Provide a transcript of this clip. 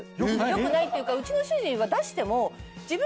良くないというかうちの主人は出しても。